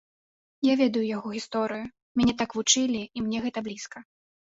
Я ведаю яго гісторыю, мяне так вучылі і мне гэта блізка.